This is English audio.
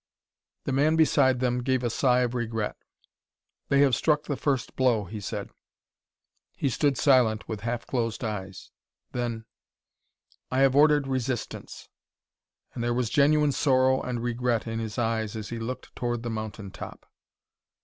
The man beside them gave a sigh of regret. "They have struck the first blow," he said. He stood silent with half closed eyes; then: "I have ordered resistance." And there was genuine sorrow and regret in his eyes as he looked toward the mountain top.